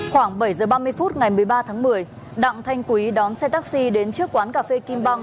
khoảng bảy h ba mươi phút ngày một mươi ba tháng một mươi đặng thanh quý đón xe taxi đến trước quán cà phê kim băng